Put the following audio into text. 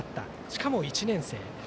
しかも１年生。